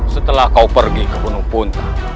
setelah kau pergi ke gunung pun